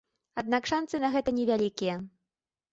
Аднак шанцы на гэта невялікія.